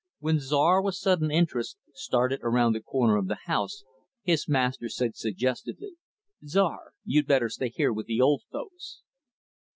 When Czar, with sudden interest, started around the corner of the house, his master said suggestively, "Czar, you better stay here with the old folks."